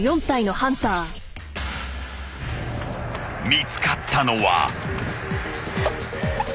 ［見つかったのは］